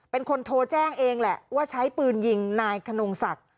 เป็นคนโทรแจ้งเองแหละว่าใช้ปืนยิงนายขนงศักดิ์